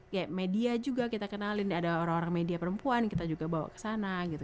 ya media juga kita kenalin ada orang orang media perempuan kita juga bawa ke sana gitu